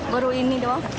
baru ini doang